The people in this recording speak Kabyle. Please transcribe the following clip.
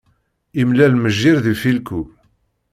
Imlal mejjir d ifilku.